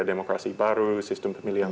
demokrasi baru sistem pemilihan